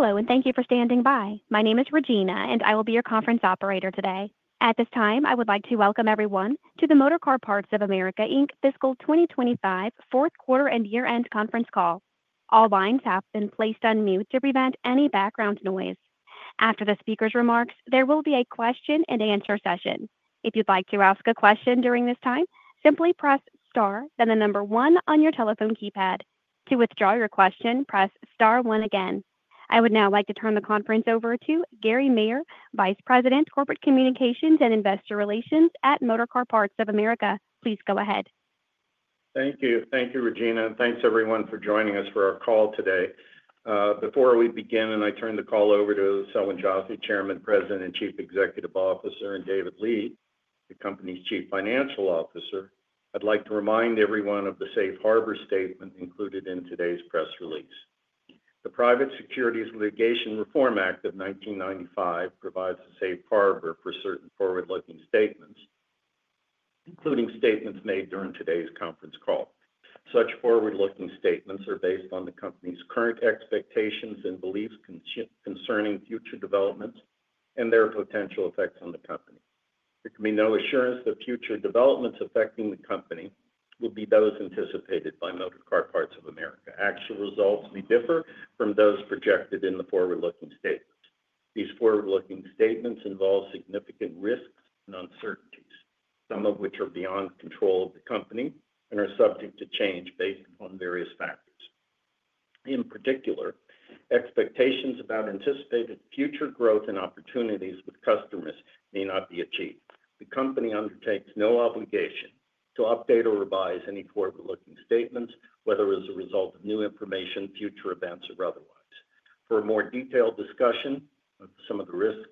Hello, and thank you for standing by. My name is Regina, and I will be your conference operator today. At this time, I would like to welcome everyone to the Motorcar Parts of America fiscal 2025 fourth quarter and year-end conference call. All lines have been placed on mute to prevent any background noise. After the speaker's remarks, there will be a question-and-answer session. If you'd like to ask a question during this time, simply press star, then the number one on your telephone keypad. To withdraw your question, press star one again. I would now like to turn the conference over to Gary Maier, Vice President, Corporate Communications and Investor Relations at Motorcar Parts of America. Please go ahead. Thank you. Thank you, Regina. Thanks, everyone, for joining us for our call today. Before we begin, and I turn the call over to Selwyn Joffe, Chairman, President, and Chief Executive Officer, and David Lee, the company's Chief Financial Officer, I'd like to remind everyone of the safe harbor statement included in today's press release. The Private Securities Litigation Reform Act of 1995 provides a safe harbor for certain forward-looking statements, including statements made during today's conference call. Such forward-looking statements are based on the company's current expectations and beliefs concerning future developments and their potential effects on the company. There can be no assurance that future developments affecting the company will be those anticipated by Motorcar Parts of America. Actual results may differ from those projected in the forward-looking statement. These forward-looking statements involve significant risks and uncertainties, some of which are beyond control of the company and are subject to change based upon various factors. In particular, expectations about anticipated future growth and opportunities with customers may not be achieved. The company undertakes no obligation to update or revise any forward-looking statements, whether as a result of new information, future events, or otherwise. For a more detailed discussion of some of the risks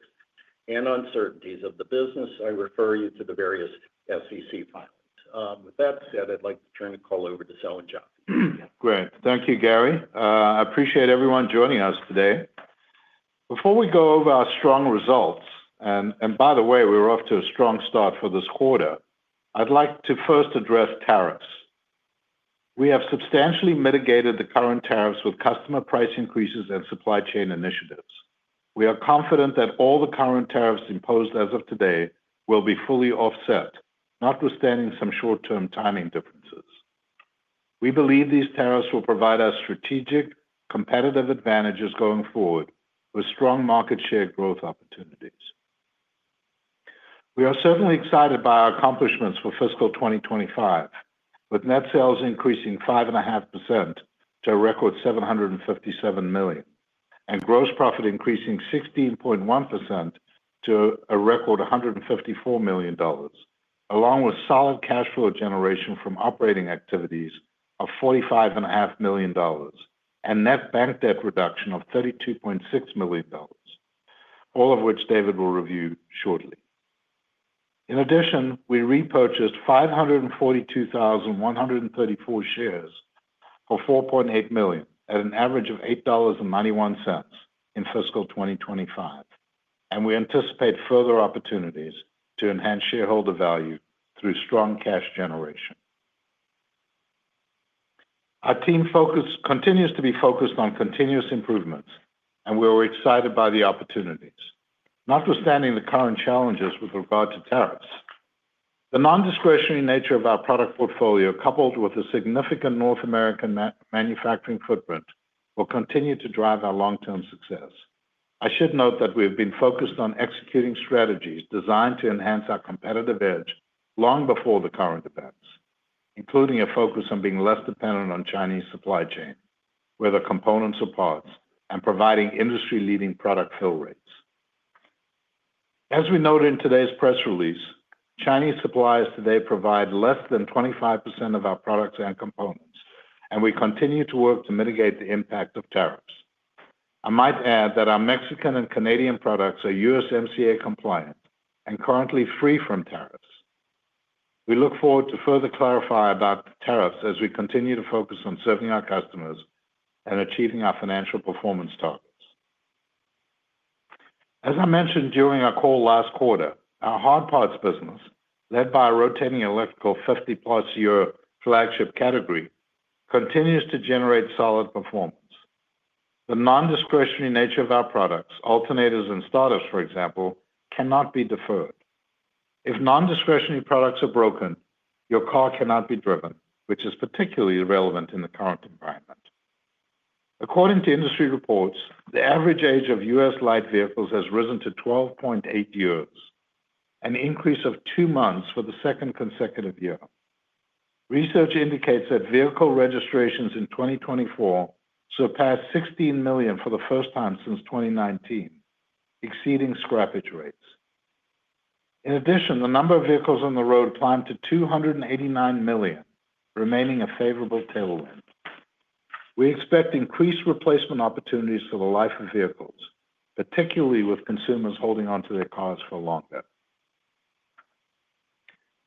and uncertainties of the business, I refer you to the various SEC filings. With that said, I'd like to turn the call over to Selwyn Joffe. Great. Thank you, Gary. I appreciate everyone joining us today. Before we go over our strong results, and by the way, we're off to a strong start for this quarter, I'd like to first address tariffs. We have substantially mitigated the current tariffs with customer price increases and supply chain initiatives. We are confident that all the current tariffs imposed as of today will be fully offset, notwithstanding some short-term timing differences. We believe these tariffs will provide us strategic, competitive advantages going forward with strong market share growth opportunities. We are certainly excited by our accomplishments for fiscal 2025, with net sales increasing 5.5% to a record $757 million, and gross profit increasing 16.1% to a record $154 million, along with solid cash flow generation from operating activities of $45.5 million and net bank debt reduction of $32.6 million, all of which David will review shortly. In addition, we repurchased 542,134 shares for $4.8 million at an average of $8.91 in fiscal 2025, and we anticipate further opportunities to enhance shareholder value through strong cash generation. Our team continues to be focused on continuous improvements, and we are excited by the opportunities, notwithstanding the current challenges with regard to tariffs. The non-discretionary nature of our product portfolio, coupled with a significant North American manufacturing footprint, will continue to drive our long-term success. I should note that we have been focused on executing strategies designed to enhance our competitive edge long before the current events, including a focus on being less dependent on Chinese supply chain, whether components or parts, and providing industry-leading product fill rates. As we noted in today's press release, Chinese suppliers today provide less than 25% of our products and components, and we continue to work to mitigate the impact of tariffs. I might add that our Mexican and Canadian products are USMCA compliant and currently free from tariffs. We look forward to further clarifying about the tariffs as we continue to focus on serving our customers and achieving our financial performance targets. As I mentioned during our call last quarter, our hard parts business, led by a rotating electrical 50-plus-year flagship category, continues to generate solid performance. The non-discretionary nature of our products, alternators, and starters, for example, cannot be deferred. If non-discretionary products are broken, your car cannot be driven, which is particularly relevant in the current environment. According to industry reports, the average age of U.S. light vehicles has risen to 12.8 years, an increase of two months for the second consecutive year. Research indicates that vehicle registrations in 2024 surpassed 16 million for the first time since 2019, exceeding scrappage rates. In addition, the number of vehicles on the road climbed to 289 million, remaining a favorable tailwind. We expect increased replacement opportunities for the life of vehicles, particularly with consumers holding onto their cars for longer.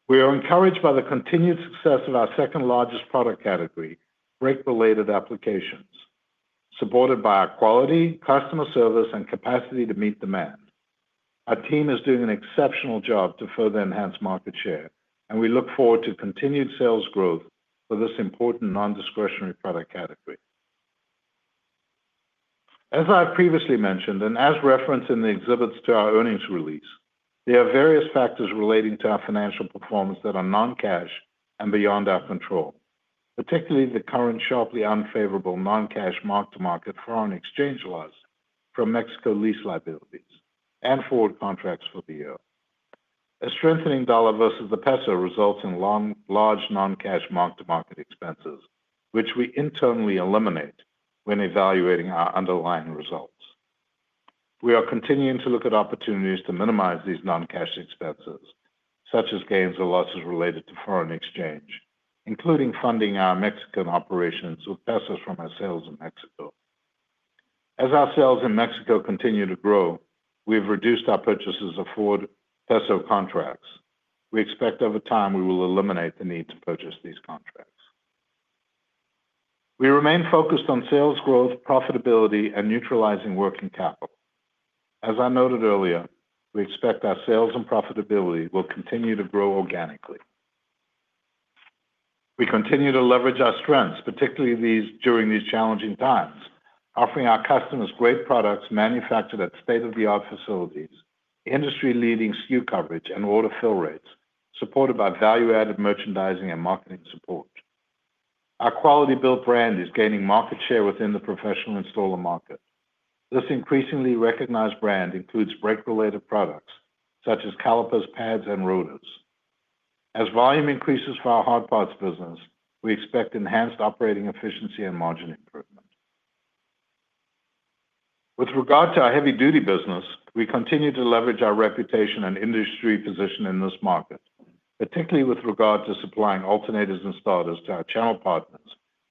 We are encouraged by the continued success of our second-largest product category, brake-related applications, supported by our quality, customer service, and capacity to meet demand. Our team is doing an exceptional job to further enhance market share, and we look forward to continued sales growth for this important non-discretionary product category. As I've previously mentioned, and as referenced in the exhibits to our earnings release, there are various factors relating to our financial performance that are non-cash and beyond our control, particularly the current sharply unfavorable non-cash mark-to-market foreign exchange loss from Mexico lease liabilities and forward contracts for the year. A strengthening dollar versus the peso results in large non-cash mark-to-market expenses, which we internally eliminate when evaluating our underlying results. We are continuing to look at opportunities to minimize these non-cash expenses, such as gains or losses related to foreign exchange, including funding our Mexican operations with pesos from our sales in Mexico. As our sales in Mexico continue to grow, we have reduced our purchases of forward peso contracts. We expect over time we will eliminate the need to purchase these contracts. We remain focused on sales growth, profitability, and neutralizing working capital. As I noted earlier, we expect our sales and profitability will continue to grow organically. We continue to leverage our strengths, particularly during these challenging times, offering our customers great products manufactured at state-of-the-art facilities, industry-leading SKU coverage, and order fill rates, supported by value-added merchandising and marketing support. Our quality-built brand is gaining market share within the professional installer market. This increasingly recognized brand includes brake-related products such as calipers, pads, and rotors. As volume increases for our hard parts business, we expect enhanced operating efficiency and margin improvement. With regard to our heavy-duty business, we continue to leverage our reputation and industry position in this market, particularly with regard to supplying alternators and starters to our channel partners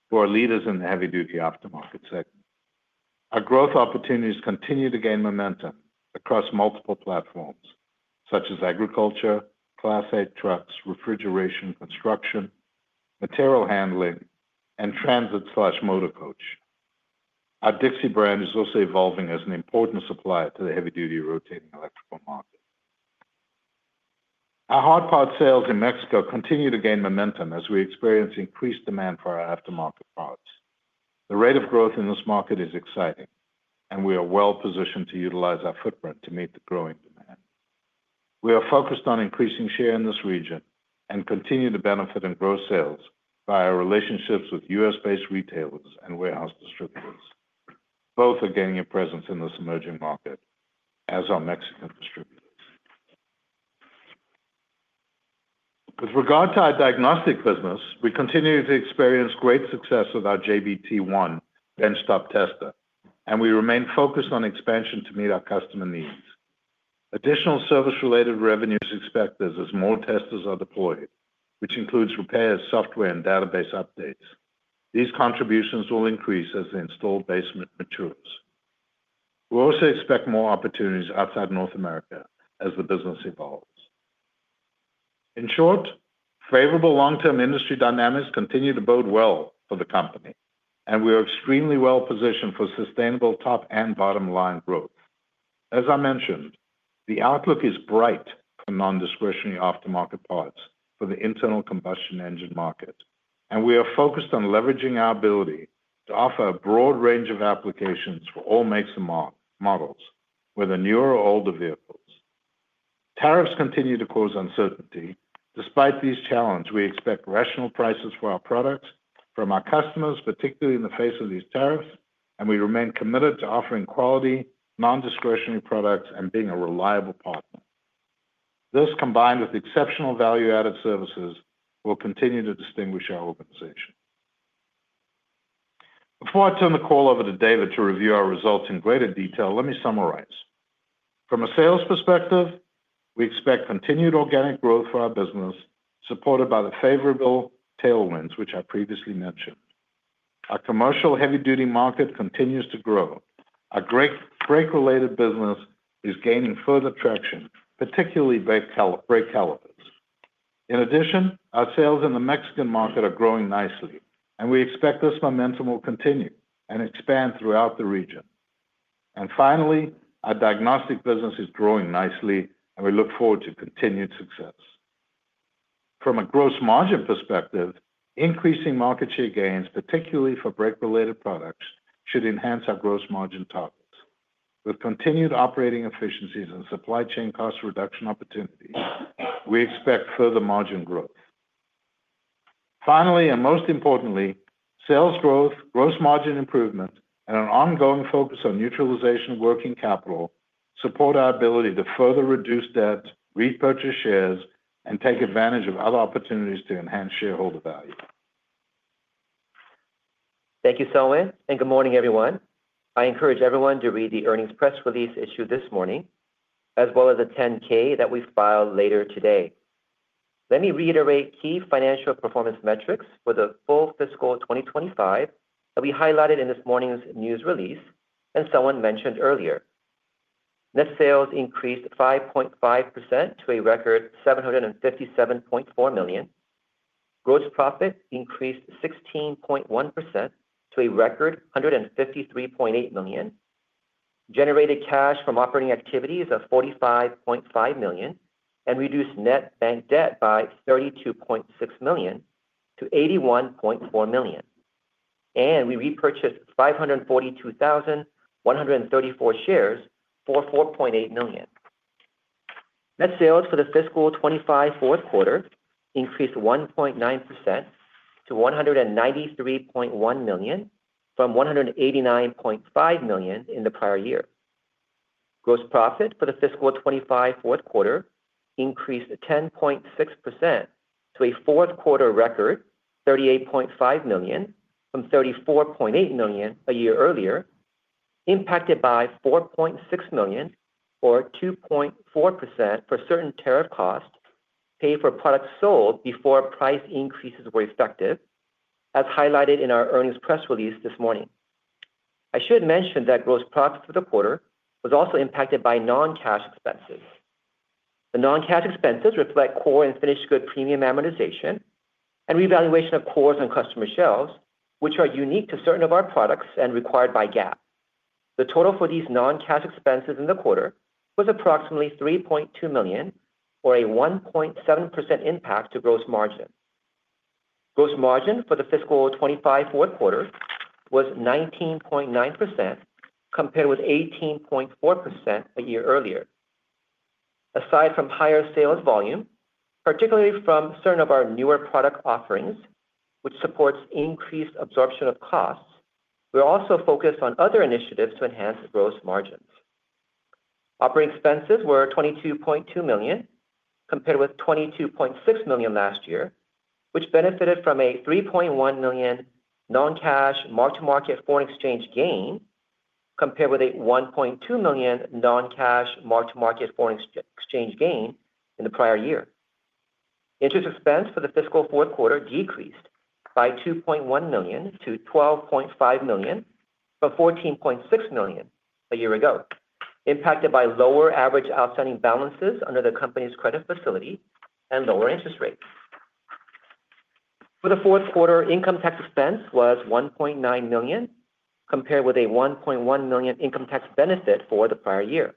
who are leaders in the heavy-duty aftermarket segment. Our growth opportunities continue to gain momentum across multiple platforms, such as agriculture, class A trucks, refrigeration, construction, material handling, and transit/motor coach. Our Dixie brand is also evolving as an important supplier to the heavy-duty rotating electrical market. Our hard parts sales in Mexico continue to gain momentum as we experience increased demand for our aftermarket parts. The rate of growth in this market is exciting, and we are well-positioned to utilize our footprint to meet the growing demand. We are focused on increasing share in this region and continue to benefit and grow sales via relationships with U.S.-based retailers and warehouse distributors. Both are gaining a presence in this emerging market, as are Mexican distributors. With regard to our diagnostic business, we continue to experience great success with our JBT1 benchtop tester, and we remain focused on expansion to meet our customer needs. Additional service-related revenues expect us as more testers are deployed, which includes repairs, software, and database updates. These contributions will increase as the installed base matures. We also expect more opportunities outside North America as the business evolves. In short, favorable long-term industry dynamics continue to bode well for the company, and we are extremely well-positioned for sustainable top and bottom-line growth. As I mentioned, the outlook is bright for non-discretionary aftermarket parts for the internal combustion engine market, and we are focused on leveraging our ability to offer a broad range of applications for all makes and models, whether newer or older vehicles. Tariffs continue to cause uncertainty. Despite these challenges, we expect rational prices for our products from our customers, particularly in the face of these tariffs, and we remain committed to offering quality, non-discretionary products, and being a reliable partner. This, combined with exceptional value-added services, will continue to distinguish our organization. Before I turn the call over to David to review our results in greater detail, let me summarize. From a sales perspective, we expect continued organic growth for our business, supported by the favorable tailwinds which I previously mentioned. Our commercial heavy-duty market continues to grow. Our brake-related business is gaining further traction, particularly brake calipers. In addition, our sales in the Mexican market are growing nicely, and we expect this momentum will continue and expand throughout the region. Finally, our diagnostic business is growing nicely, and we look forward to continued success. From a gross margin perspective, increasing market share gains, particularly for brake-related products, should enhance our gross margin targets. With continued operating efficiencies and supply chain cost reduction opportunities, we expect further margin growth. Finally, and most importantly, sales growth, gross margin improvement, and an ongoing focus on neutralization of working capital support our ability to further reduce debt, repurchase shares, and take advantage of other opportunities to enhance shareholder value. Thank you, Selwyn, and good morning, everyone. I encourage everyone to read the earnings press release issued this morning, as well as the 10-K that we filed later today. Let me reiterate key financial performance metrics for the full fiscal 2025 that we highlighted in this morning's news release and Selwyn mentioned earlier. Net sales increased 5.5% to a record $757.4 million. Gross profit increased 16.1% to a record $153.8 million. Generated cash from operating activities of $45.5 million and reduced net bank debt by $32.6 million to $81.4 million. We repurchased 542,134 shares for $4.8 million. Net sales for the fiscal 2025 fourth quarter increased 1.9% to $193.1 million from $189.5 million in the prior year. Gross profit for the fiscal 2025 fourth quarter increased 10.6% to a fourth quarter record $38.5 million from $34.8 million a year earlier, impacted by $4.6 million or 2.4% for certain tariff costs paid for products sold before price increases were effective, as highlighted in our earnings press release this morning. I should mention that gross profit for the quarter was also impacted by non-cash expenses. The non-cash expenses reflect core and finished goods premium amortization and revaluation of cores on customer shelves, which are unique to certain of our products and required by GAAP. The total for these non-cash expenses in the quarter was approximately $3.2 million, or a 1.7% impact to gross margin. Gross margin for the fiscal 2025 fourth quarter was 19.9%, compared with 18.4% a year earlier. Aside from higher sales volume, particularly from certain of our newer product offerings, which supports increased absorption of costs, we're also focused on other initiatives to enhance gross margins. Operating expenses were $22.2 million, compared with $22.6 million last year, which benefited from a $3.1 million non-cash mark-to-market foreign exchange gain, compared with a $1.2 million non-cash mark-to-market foreign exchange gain in the prior year. Interest expense for the fiscal fourth quarter decreased by $2.1 million to $12.5 million from $14.6 million a year ago, impacted by lower average outstanding balances under the company's credit facility and lower interest rates. For the fourth quarter, income tax expense was $1.9 million, compared with a $1.1 million income tax benefit for the prior year.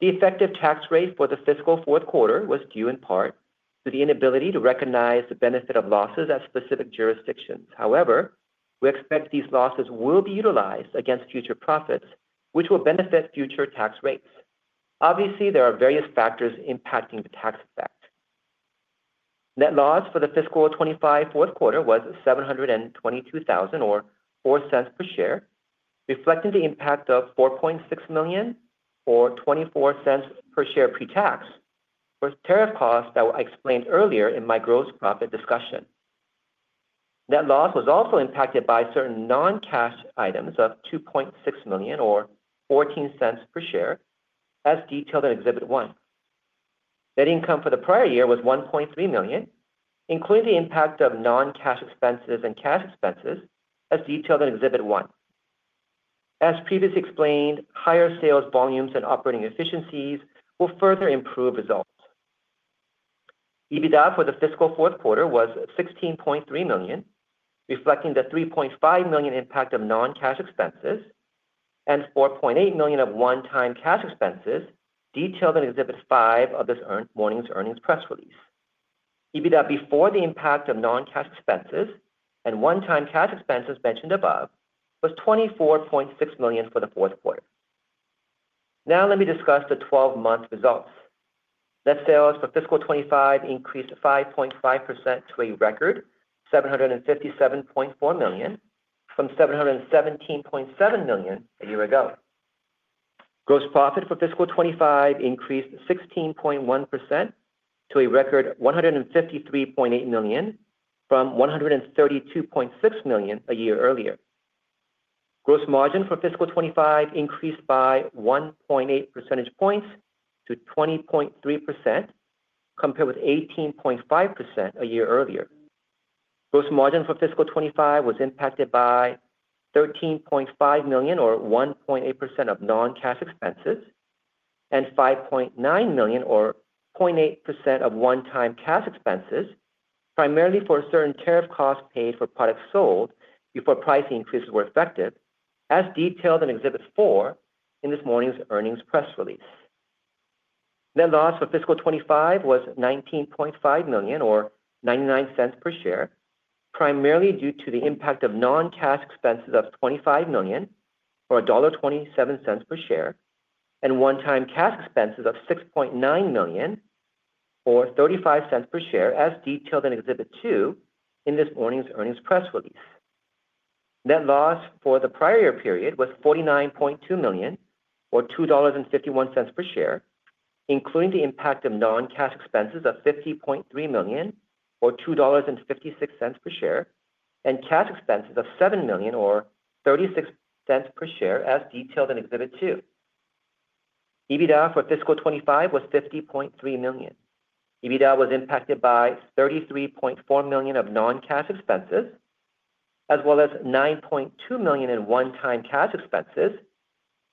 The effective tax rate for the fiscal fourth quarter was due in part to the inability to recognize the benefit of losses at specific jurisdictions. However, we expect these losses will be utilized against future profits, which will benefit future tax rates. Obviously, there are various factors impacting the tax effect. Net loss for the fiscal 2025 fourth quarter was $722,000 or $0.04 per share, reflecting the impact of $4.6 million or $0.24 per share pre-tax for tariff costs that were explained earlier in my gross profit discussion. Net loss was also impacted by certain non-cash items of $2.6 million or $0.14 per share, as detailed in Exhibit 1. Net income for the prior year was $1.3 million, including the impact of non-cash expenses and cash expenses, as detailed in Exhibit 1. As previously explained, higher sales volumes and operating efficiencies will further improve results. EBITDA for the fiscal fourth quarter was $16.3 million, reflecting the $3.5 million impact of non-cash expenses and $4.8 million of one-time cash expenses, detailed in Exhibit 5 of this morning's earnings press release. EBITDA before the impact of non-cash expenses and one-time cash expenses mentioned above was $24.6 million for the fourth quarter. Now, let me discuss the 12-month results. Net sales for fiscal 2025 increased 5.5% to a record $757.4 million from $717.7 million a year ago. Gross profit for fiscal 2025 increased 16.1% to a record $153.8 million from $132.6 million a year earlier. Gross margin for fiscal 2025 increased by 1.8 percentage points to 20.3%, compared with 18.5% a year earlier. Gross margin for fiscal 2025 was impacted by $13.5 million, or 1.8% of non-cash expenses, and $5.9 million, or 0.8% of one-time cash expenses, primarily for certain tariff costs paid for products sold before price increases were effected, as detailed in Exhibit 4 in this morning's earnings press release. Net loss for fiscal 2025 was $19.5 million, or $0.99 per share, primarily due to the impact of non-cash expenses of $25 million, or $1.27 per share, and one-time cash expenses of $6.9 million, or $0.35 per share, as detailed in Exhibit 2 in this morning's earnings press release. Net loss for the prior year period was $49.2 million, or $2.51 per share, including the impact of non-cash expenses of $50.3 million, or $2.56 per share, and cash expenses of $7 million, or $0.36 per share, as detailed in Exhibit 2. EBITDA for fiscal 2025 was $50.3 million. EBITDA was impacted by $33.4 million of non-cash expenses, as well as $9.2 million in one-time cash expenses,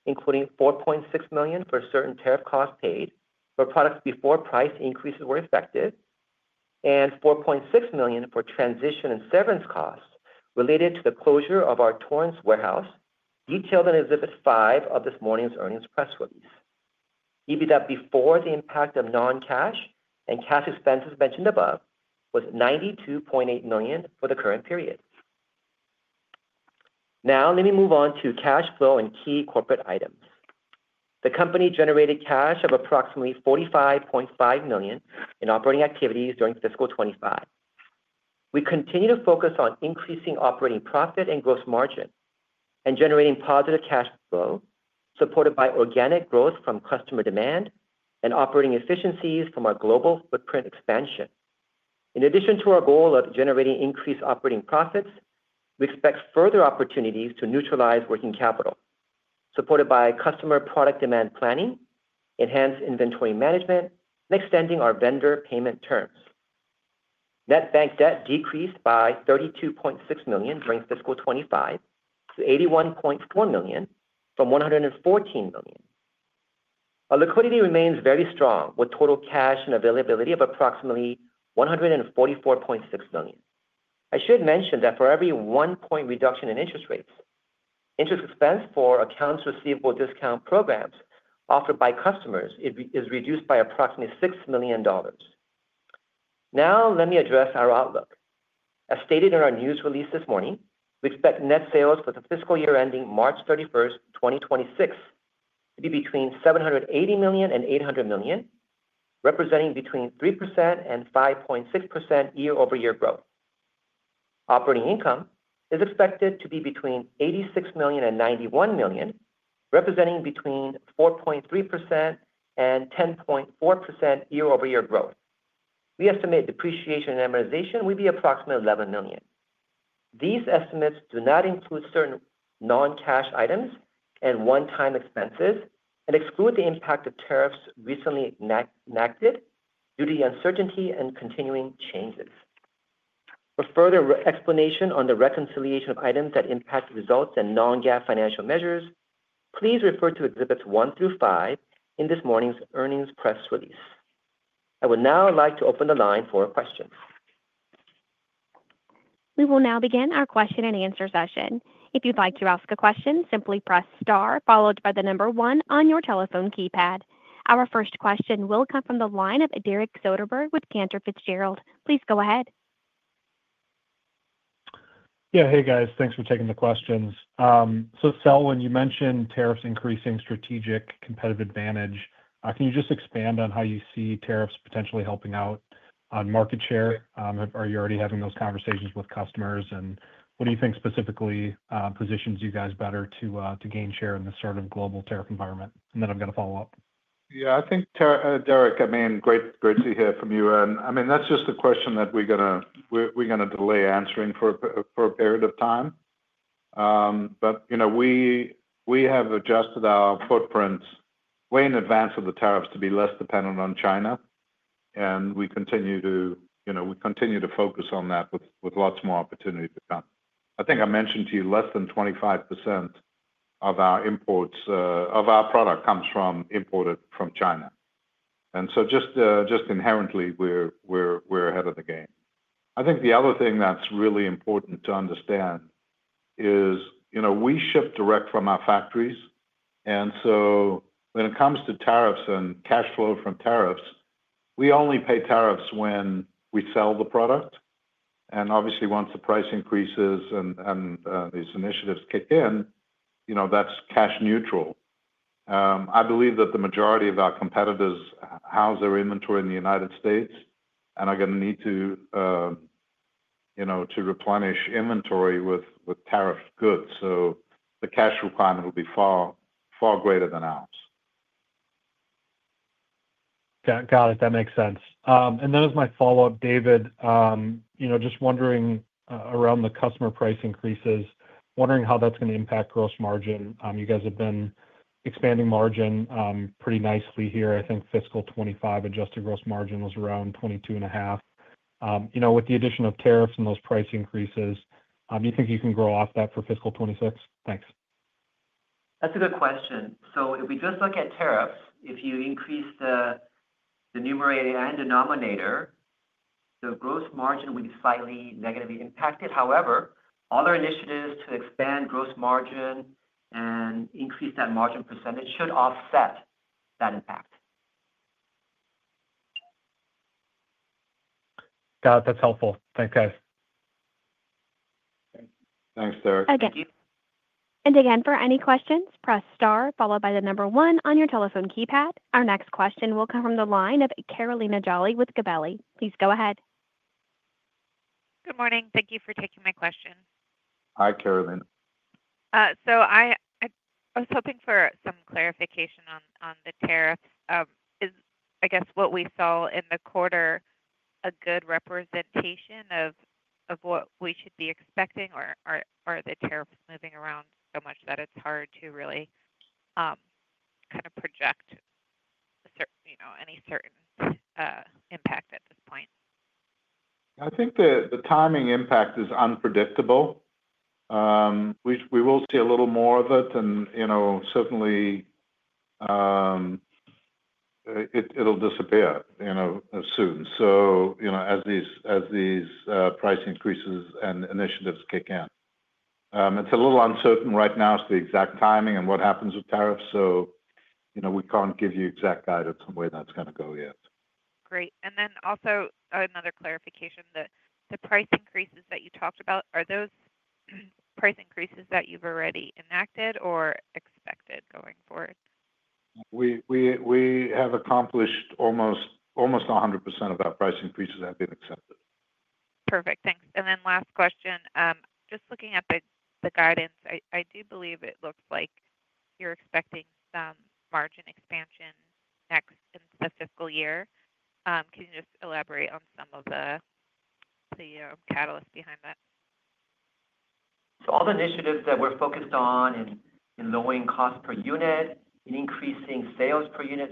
including $4.6 million for certain tariff costs paid for products before price increases were effected, and $4.6 million for transition and severance costs related to the closure of our Torrance warehouse, detailed in Exhibit 5 of this morning's earnings press release. EBITDA before the impact of non-cash and cash expenses mentioned above was $92.8 million for the current period. Now, let me move on to cash flow and key corporate items. The company generated cash of approximately $45.5 million in operating activities during fiscal 2025. We continue to focus on increasing operating profit and gross margin and generating positive cash flow, supported by organic growth from customer demand and operating efficiencies from our global footprint expansion. In addition to our goal of generating increased operating profits, we expect further opportunities to neutralize working capital, supported by customer product demand planning, enhanced inventory management, and extending our vendor payment terms. Net bank debt decreased by $32.6 million during fiscal 2025 to $81.4 million from $114 million. Our liquidity remains very strong, with total cash and availability of approximately $144.6 million. I should mention that for every one-point reduction in interest rates, interest expense for accounts receivable discount programs offered by customers is reduced by approximately $6 million. Now, let me address our outlook. As stated in our news release this morning, we expect net sales for the fiscal year ending March 31, 2026, to be between $780 million and $800 million, representing between 3% and 5.6% year-over-year growth. Operating income is expected to be between $86 million and $91 million, representing between 4.3% and 10.4% year-over-year growth. We estimate depreciation and amortization would be approximately $11 million. These estimates do not include certain non-cash items and one-time expenses and exclude the impact of tariffs recently enacted due to the uncertainty and continuing changes. For further explanation on the reconciliation of items that impact results and non-GAAP financial measures, please refer to Exhibits 1 through 5 in this morning's earnings press release. I would now like to open the line for questions. We will now begin our question and answer session. If you'd like to ask a question, simply press star followed by the number one on your telephone keypad. Our first question will come from the line of Derek Soderberg with Cantor Fitzgerald. Please go ahead. Yeah, hey, guys. Thanks for taking the questions. Selwyn, you mentioned tariffs increasing strategic competitive advantage. Can you just expand on how you see tariffs potentially helping out on market share? Are you already having those conversations with customers, and what do you think specifically positions you guys better to gain share in this sort of global tariff environment? I have a follow-up. Yeah, I think, Derek, I mean, great to hear from you. I mean, that's just a question that we're going to delay answering for a period of time. We have adjusted our footprint way in advance of the tariffs to be less dependent on China. We continue to focus on that with lots more opportunity to come. I think I mentioned to you less than 25% of our imports of our product comes imported from China. Just inherently, we're ahead of the game. I think the other thing that's really important to understand is we ship direct from our factories. When it comes to tariffs and cash flow from tariffs, we only pay tariffs when we sell the product. Obviously, once the price increases and these initiatives kick in, that's cash neutral. I believe that the majority of our competitors house their inventory in the United States, and are going to need to replenish inventory with tariff goods. The cash requirement will be far greater than ours. Got it. That makes sense. That was my follow-up, David. Just wondering around the customer price increases, wondering how that's going to impact gross margin. You guys have been expanding margin pretty nicely here. I think fiscal 2025 adjusted gross margin was around 22.5%. With the addition of tariffs and those price increases, do you think you can grow off that for fiscal 2026? Thanks. That's a good question. If we just look at tariffs, if you increase the numerator and denominator, the gross margin would be slightly negatively impacted. However, other initiatives to expand gross margin and increase that margin percentage should offset that impact. Got it. That's helpful. Thanks, guys. Thanks, Derek. Again, for any questions, press star followed by the number one on your telephone keypad. Our next question will come from the line of Carolina Jolly with Gabelli. Please go ahead. Good morning. Thank you for taking my question. Hi, Carolina. I was hoping for some clarification on the tariffs. I guess what we saw in the quarter, is that a good representation of what we should be expecting, or are the tariffs moving around so much that it's hard to really kind of project any certain impact at this point? I think the timing impact is unpredictable. We will see a little more of it, and certainly, it'll disappear soon as these price increases and initiatives kick in. It's a little uncertain right now as to the exact timing and what happens with tariffs. We can't give you an exact guide of where that's going to go yet. Great. Also, another clarification, the price increases that you talked about, are those price increases that you've already enacted or expected going forward? We have accomplished almost 100% of our price increases have been accepted. Perfect. Thanks. Last question, just looking at the guidance, I do believe it looks like you're expecting some margin expansion next in the fiscal year. Can you just elaborate on some of the catalysts behind that? All the initiatives that we're focused on in lowering costs per unit, in increasing sales per unit.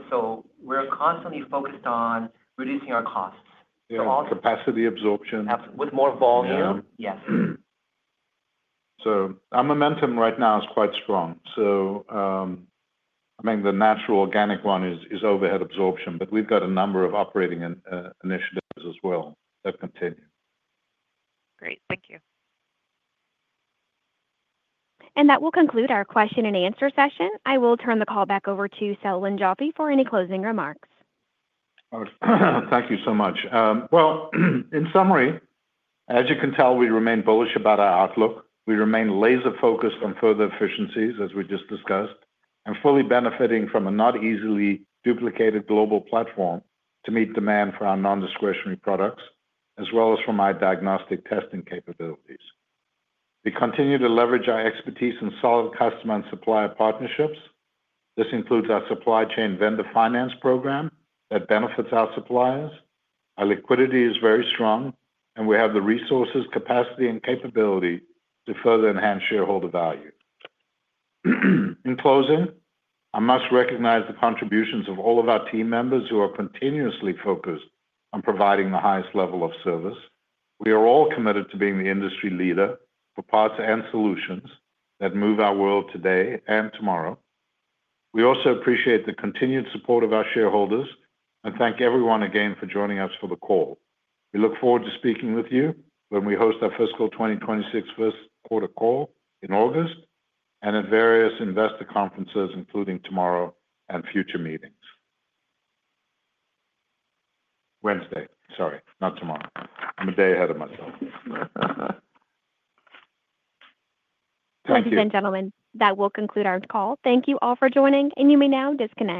We're constantly focused on reducing our costs. Yeah, capacity absorption. With more volume. Yes. So our momentum right now is quite strong. So, I mean, the natural organic one is overhead absorption, but we've got a number of operating initiatives as well that continue. Great. Thank you. That will conclude our question and answer session. I will turn the call back over to Selwyn Joffe for any closing remarks. Thank you so much. In summary, as you can tell, we remain bullish about our outlook. We remain laser-focused on further efficiencies, as we just discussed, and fully benefiting from a not-easily-duplicated global platform to meet demand for our non-discretionary products, as well as from our diagnostic testing capabilities. We continue to leverage our expertise in solid customer and supplier partnerships. This includes our supply chain vendor finance program that benefits our suppliers. Our liquidity is very strong, and we have the resources, capacity, and capability to further enhance shareholder value. In closing, I must recognize the contributions of all of our team members who are continuously focused on providing the highest level of service. We are all committed to being the industry leader for parts and solutions that move our world today and tomorrow. We also appreciate the continued support of our shareholders and thank everyone again for joining us for the call. We look forward to speaking with you when we host our fiscal 2026 fiscal quarter call in August and at various investor conferences, including tomorrow and future meetings. Wednesday. Sorry, not tomorrow. I'm a day ahead of myself. Thank you. Ladies and gentlemen, that will conclude our call. Thank you all for joining, and you may now disconnect.